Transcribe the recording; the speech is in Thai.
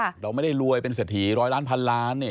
เราไม่ได้รวยเป็นเศรษฐีร้อยล้านพันล้านเนี่ย